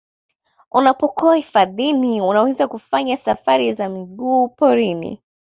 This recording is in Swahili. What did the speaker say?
Unapokuwa hifadhini unaweza kufanya safari za miguu porini